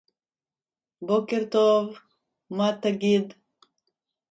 Some resolve in "The Monkey's Paw" style.